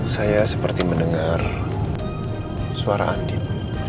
saya seperti mendengar suara andin